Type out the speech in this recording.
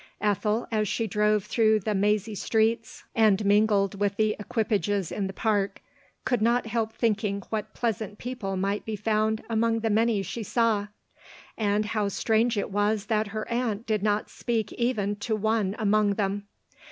Ethel, as she drove through the mazy streets, and min gled with the equipages in the park, could not help thinking what pleasant people might be found among the many she saw, and how strange it was that her aunt did not speak even to one among them.